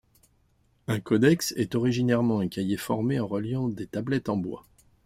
Un codex est originairement un cahier formé en reliant des tablettes en bois.